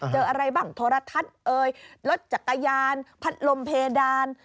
เจออะไรบ้างโทรทัศน์เอ่ยรถจักรยานพัดลมเพดาน